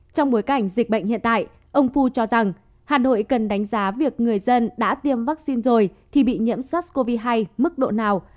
trong bối cảnh dịch bệnh hiện tại ông fu cho rằng hà nội cần đánh giá việc người dân đã tiêm vaccine rồi thì bị nhiễm sars cov hai mức độ nào